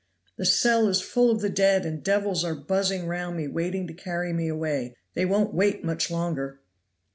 The cell is full of the dead, and devils are buzzing round me waiting to carry me away they won't wait much longer."